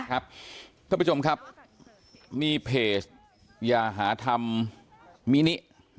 ท่านผู้ชมครับมีเพจยาหาธรรมมินิ